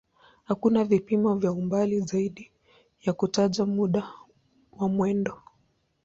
Hakuna vipimo vya umbali zaidi ya kutaja muda wa mwendo.